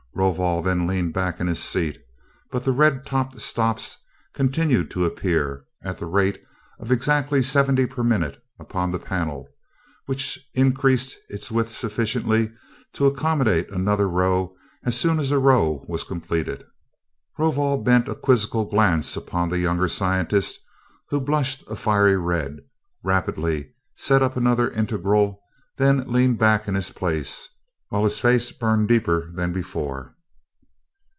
Rovol then leaned back in his seat but the red topped stops continued to appear, at the rate of exactly seventy per minute, upon the panel, which increased in width sufficiently to accommodate another row as soon as a row was completed. Rovol bent a quizzical glance upon the younger scientist, who blushed a fiery red, rapidly set up another integral, then also leaned back in his place, while his face burned deeper than before.